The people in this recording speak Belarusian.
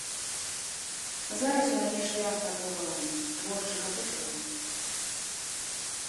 Зараз у мяне шлях такога творчага пошуку.